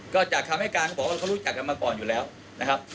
ก็จากคำให้การเขาบอกว่าเขารู้จักกันมาก่อนอยู่แล้วนะครับ